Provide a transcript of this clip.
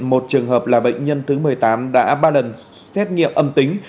một trường hợp là bệnh nhân thứ một mươi tám đã ba lần xét nghiệm âm tính